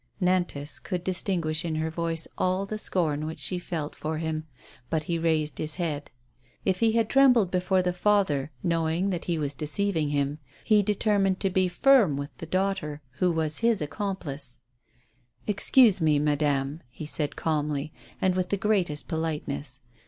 Nantas could distinguish in her voice all the scorn which she felt for him, but he raised his head. If he MADEMOISELLE FLA VIE. 81 had trembled before the father, knowing that he was deceiving him, he determined to be firm with the daugh ter, who was his accomplice. " Excuse me, madame,'^ he said calmly, and with the greatest politeness.